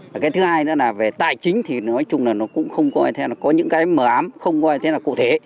cái thứ hai nữa là về tài chính thì nói chung là nó cũng không có những cái mờ ám không có như thế nào cụ thể